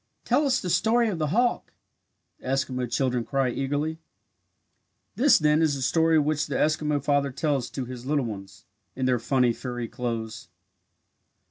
"Tell us the story of the hawk!" the Eskimo children cry eagerly. This then is the story which the Eskimo father tells to his little ones "in their funny furry clothes."